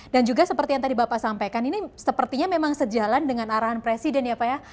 dan juga seperti yang tadi bapak sampaikan ini sepertinya memang sejalan dengan arahan presiden ya pak ya